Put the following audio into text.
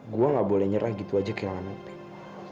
gua ngga boleh nyerah gitu circumstances